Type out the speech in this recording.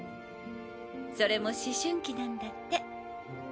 それも思春期なんだって。